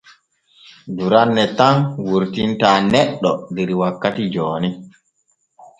Duranne tan wurtinta neɗɗo der wakkati jooni.